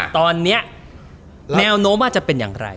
ตอนนี้แนวโน้มว่าจะเป็นอย่างไร